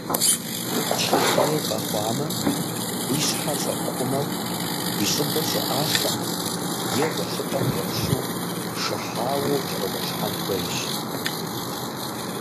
Щӏыхъей къэхъуамэ, уи щхьэр щӏэпхъумэу, уи щӏыбыр щӏыӏалъэм е гъуэлъыпӏэм кӏэрылъу, шыхьауэ укӏэрыгъуэлъхьэн хуейщ.